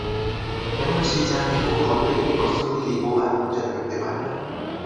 কেননা সে জানে ওকে অল্প একটু প্রশ্রয় দিলেই ও আর মর্যাদা রাখতে পারে না।